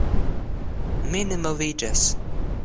Mi ne moviĝas.